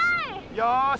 よし！